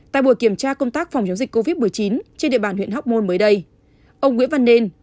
tại buổi kiểm tra công tác phòng chống dịch covid một mươi chín trên địa bàn huyện hóc môn mới đây ông nguyễn văn nên